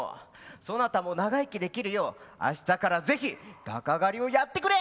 そなたも長生きできるようあしたからぜひ鷹狩りをやってくれ！